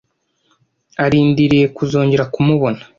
Arindiriye kuzongera kumubona.